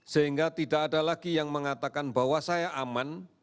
sehingga tidak ada lagi yang mengatakan bahwa saya aman